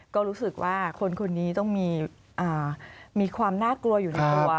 ก็รู้สึกว่าคนคนนี้ต้องมีความน่ากลัวอยู่ในตัว